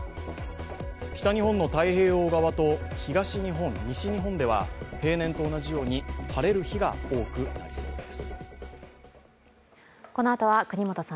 北日本の太平洋側と、東日本、西日本では平年と同じように晴れる日が多くなりそうです。